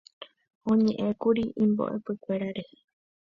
oñe'ẽkuri imbo'epykuéra rehe